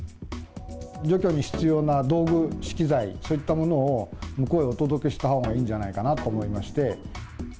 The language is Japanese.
除去に必要な道具、資機材、そういったものを、向こうへお届けしたほうがいいんじゃないかなと思いまして。